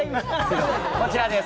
こちらです。